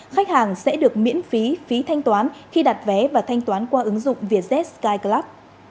khách hàng sẽ được miễn phí phí thanh toán khi đặt vé và thanh toán qua ứng dụng vietjet skyclub